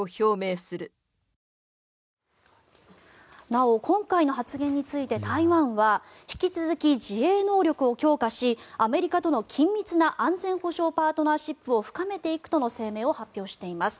なお、今回の発言について台湾は引き続き自衛能力を強化しアメリカとの緊密な安全保障パートナーシップを深めていくとの声明を発表しています。